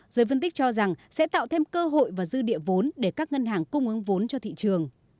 giới phân tích cho rằng sẽ tạo thêm cơ hội và dư địa vốn để các ngân hàng cung ứng vốn cho thị trường